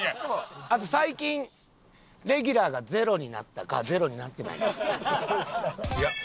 あと最近レギュラーがゼロになったかゼロになってないか。